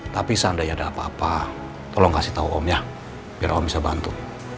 tapi seandainya ada apa apa tolong kasih tau om ya biar om bisa bantu